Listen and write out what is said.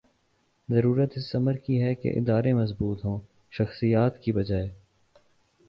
ضرورت اس امر کی ہے کہ ادارے مضبوط ہوں ’’ شخصیات ‘‘ کی بجائے